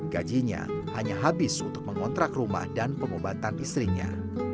gajinya hanya habis untuk mengontrak rumah dan pengobatan istrinya